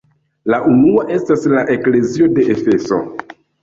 La unua estas la eklezio de Efeso.